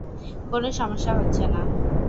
কোনো সমস্যা হচ্ছে না।